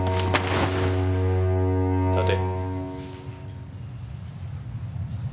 立て。